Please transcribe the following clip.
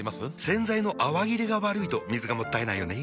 洗剤の泡切れが悪いと水がもったいないよね。